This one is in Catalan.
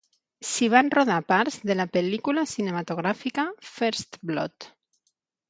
S'hi van rodar parts de la pel·lícula cinematogràfica "First Blood".